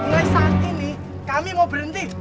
mulai saat ini kami mau berhenti